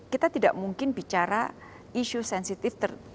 kita tidak mungkin bicara isu sensitif